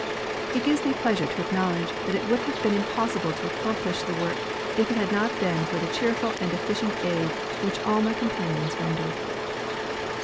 It gives me pleasure to acknowledge that it would have been impossible to accomplish the work if it had not l)een for the cheerful and efficient aid which all my companions rendered.